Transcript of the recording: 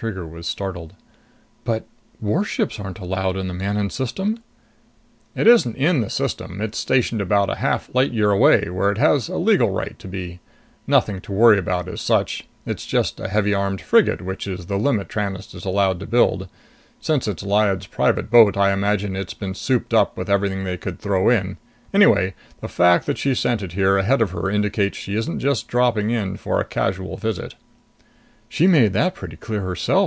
Trigger was startled. "But warships aren't allowed in Manon System!" "It isn't in the system. It's stationed a half light year away, where it has a legal right to be. Nothing to worry about as such. It's just a heavy armed frigate, which is the limit Tranest is allowed to build. Since it's Lyad's private boat, I imagine it's been souped up with everything they could throw in. Anyway, the fact that she sent it here ahead of her indicates she isn't just dropping in for a casual visit." "She made that pretty clear herself!"